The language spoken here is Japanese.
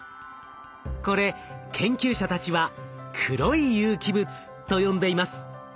これ研究者たちは「黒い有機物」と呼んでいます。